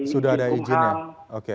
sudah ada izinnya oke